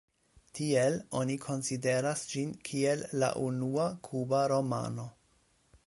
Tiel oni konsideras ĝin kiel la unua kuba romano.